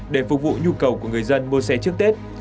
để phục vụ nhu cầu của người dân mua xe trước tết